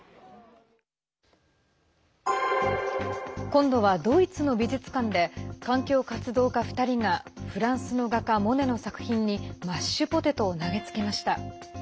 今度はドイツの美術館で環境活動家２人がフランスの画家モネの作品にマッシュポテトを投げつけました。